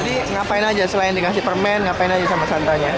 jadi ngapain aja selain dikasih permen ngapain aja sama santanya